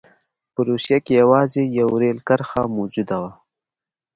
په روسیه کې یوازې یوه رېل کرښه موجوده وه.